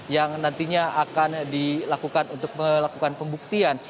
yang nantinya akan dilakukan untuk melakukan pembuktian